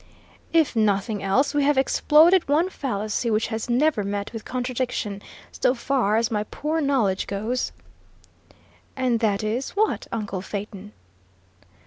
"If nothing else, we have exploded one fallacy which has never met with contradiction, so far as my poor knowledge goes." "And that is what, uncle Phaeton?"